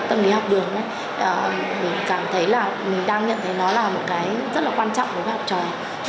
tâm lý học đường mình cảm thấy là mình đang nhận thấy nó là một cái rất là quan trọng đối với học trò